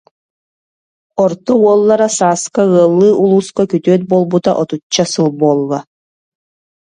Орто уоллара Сааска ыаллыы улууска күтүөт буолбута отучча сыл буолла